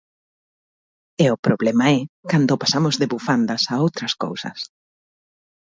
E o problema é cando pasamos de bufandas a outras cousas.